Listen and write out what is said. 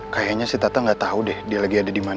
kayaknya si tata gak tau deh dia lagi ada dimana